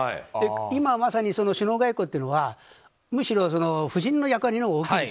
今まさに、首脳外交というのはむしろ夫人の役割のほうが大きいんです。